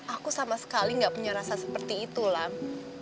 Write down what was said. aku sama sekali tidak punya rasa seperti itu alam